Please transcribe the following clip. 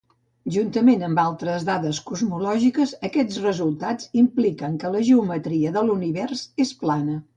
Juntament amb altres dades cosmològiques, aquests resultats impliquen que la geometria de l'univers és plana.